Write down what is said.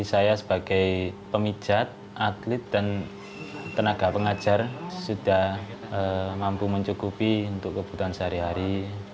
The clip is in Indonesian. jadi saya sebagai pemijat atlet dan tenaga pengajar sudah mampu mencukupi untuk kebutuhan sehari hari